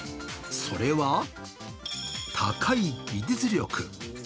それは、高い技術力。